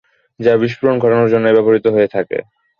যা বিস্ফোরণ ঘটানোর জন্যে ব্যবহৃত হয়ে থাকে।